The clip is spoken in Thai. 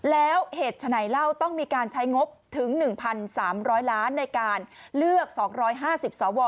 แล้วเหตุฉะไหนเล่าต้องมีการใช้งบถึง๑๓๐๐ล้านในการเลือก๒๕๐สว